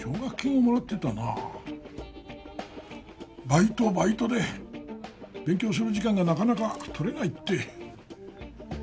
バイトバイトで勉強する時間がなかなか取れないって。